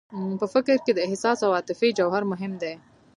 په فکر کې د احساس او عاطفې جوهر مهم دی.